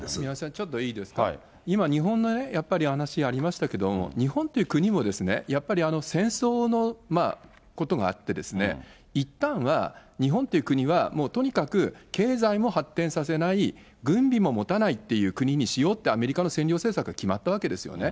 ちょっといいですか、今日本のやっぱり、話ありましたけれども、日本という国もですね、やっぱり戦争のことがあって、いったんは日本っていう国は、もうとにかく経済も発展させない、軍備も持たないっていう国にしようってアメリカの占領政策に決まったわけですよね。